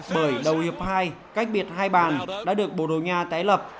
bởi đầu hiệp hai cách biệt hai bàn đã được borogna tái lập